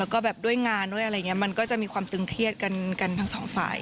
แล้วก็แบบด้วยงานด้วยอะไรอย่างนี้มันก็จะมีความตึงเครียดกันทั้งสองฝ่าย